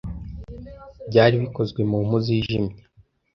Byari bikozwe mu mpu zijimye.